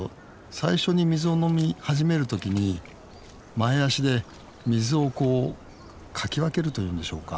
最初に水を飲み始める時に前足で水をこうかき分けるというんでしょうか。